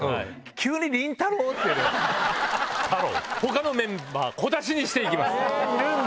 急にりん太郎⁉他のメンバー小出しにして行きます。